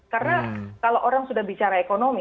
karena kalau orang sudah bicara ekonomi